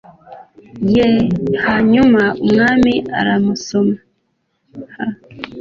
ye hanyuma umwami aramusoma h